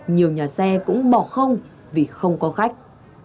nhiều nhà xe cũng bỏ không vì không có khách